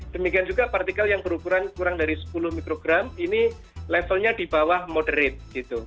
demikian juga partikel yang berukuran kurang dari sepuluh mikrogram ini levelnya di bawah moderate gitu